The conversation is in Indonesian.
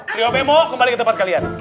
trio bemo kembali ke tempat kalian